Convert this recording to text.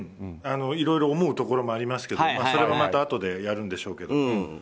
いろいろ思うところもありますけどそれはまたあとでやるんでしょうけど。